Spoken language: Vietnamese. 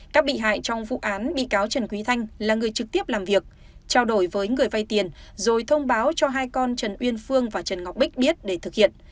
các bị hại trong vụ án bị cáo trần quý thanh là người trực tiếp làm việc trao đổi với người vay tiền rồi thông báo cho hai con trần uyên phương và trần ngọc bích biết để thực hiện